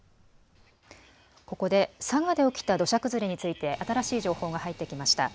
ここで佐賀で起きた土砂崩れについて新しい情報が入ってきました。